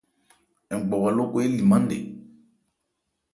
Ngbawa lókɔ élìmán nkɛ.